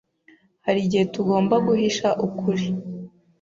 Hari igihe tugomba guhisha ukuri.